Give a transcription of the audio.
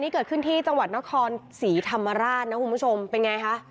นี่เกิดขึ้นที่จังหวัดนครศรีธรรมราชนะคุณผู้ชมเป็นไงคะ